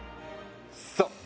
そう！